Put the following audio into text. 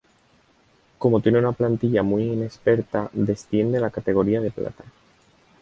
Como tiene una plantilla muy inexperta, desciende a la categoría de plata.